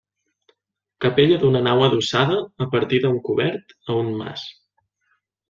Capella d'una nau adossada, a partir d'un cobert, a un mas.